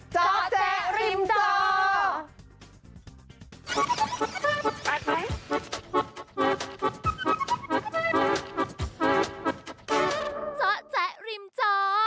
เจาะแจ๊ะริมจอ